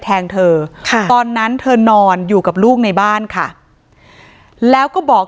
แทงเธอค่ะตอนนั้นเธอนอนอยู่กับลูกในบ้านค่ะแล้วก็บอก